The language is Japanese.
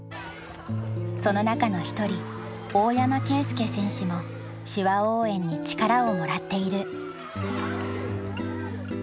その中の一人大山啓輔選手も手話応援に力をもらっている。